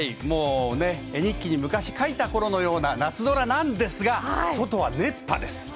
絵日記に昔描いた頃のような夏空なんですが外は熱波です。